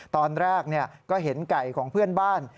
ตอนแรกก็เห็นไก่ของเพื่อนบ้าน